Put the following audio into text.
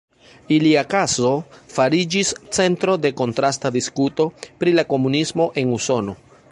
Ilia kazo fariĝis centro de kontrasta diskuto pri la komunismo en Usono.